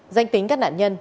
danh tính các nạn nhân